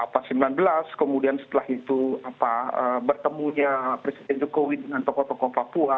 pada dua ribu sembilan belas kemudian setelah itu bertemunya presiden jokowi dengan tokoh tokoh papua